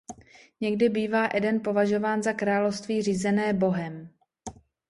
Někdy bývá Eden považován za království řízené Bohem.